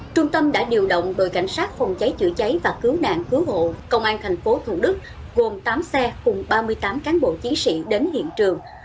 trung tâm đã điều động đội cảnh sát phòng cháy chữa cháy và cứu nạn cứu hộ công an tp thủ đức gồm tám xe cùng ba mươi tám cán bộ chiến sĩ đến hiện trường